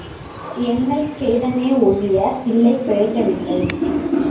எண்ணெய்ச் சேதமே ஒழியப் பிள்ளை பிழைக்கவில்லை.